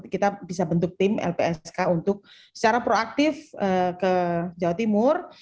kita bisa bentuk tim lpsk untuk secara proaktif ke jawa timur